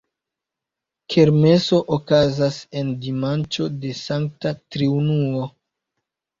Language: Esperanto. Kermeso okazas en dimanĉo de Sankta Triunuo.